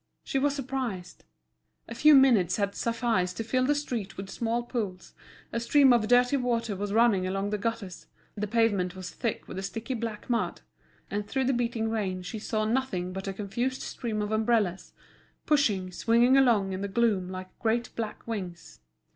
She was surprised. A few minutes had sufficed to fill the street with small pools, a stream of dirty water was running along the gutters, the pavement was thick with a sticky black mud; and through the beating rain she saw nothing but a confused stream of umbrellas, pushing, swinging along in the gloom like great black wings.